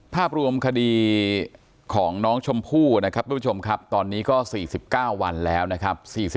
ภาพรวมคดีของน้องชมพู่นะครับทุกผู้ชมครับตอนนี้ก็๔๙วันแล้วนะครับ